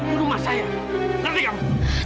ini rumah saya lari kamu